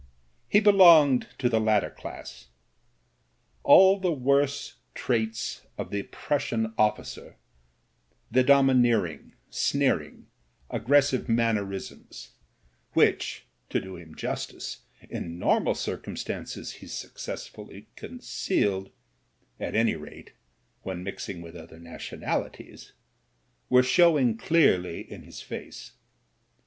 He belonged to the latter class. All the worst traits of the Prussian offi cer, the domineering, sneering, aggressive mannerisms i68 MEN, WOMEN AND GUNS — ^which, to do him justice, in normal circumstances he successfully concealed, at any rate, when mixing with other nationalities — ^were showing clearly in his face.